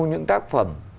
những tác phẩm